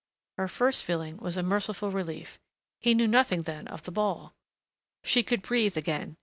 Her first feeling was a merciful relief. He knew nothing then of the ball! She could breathe again....